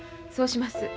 そうします。